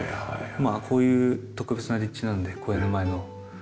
まあこういう特別な立地なんで公園の前の。